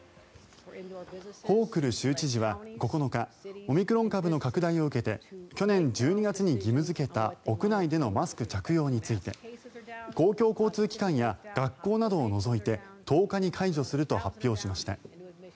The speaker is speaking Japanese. ホークル州知事は９日オミクロン株の拡大を受けて去年１２月に義務付けた屋内でのマスク着用について公共交通機関や学校などを除いて１０日に解除すると発表しました。